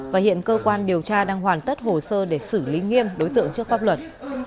và hiện cơ quan điều tra đang hoàn tất hồ sơ để xử lý nghiêm đối tượng trước pháp luật